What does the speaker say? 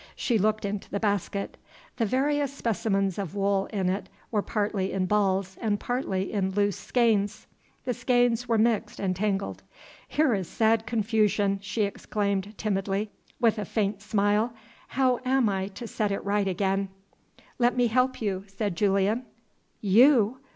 She looked into the basket. The various specimens of wool in it were partly in balls and partly in loose skeins. The skeins were mixed and tangled. "Here is sad confusion!" she exclaimed, timidly, with a faint smile. "How am I to set it right again?" "Let me help you," said Julian. "You!"